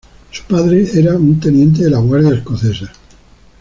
Su padre era un teniente de la Guardia Escocesa.